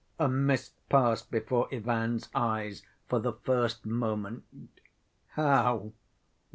A mist passed before Ivan's eyes for the first moment. "How?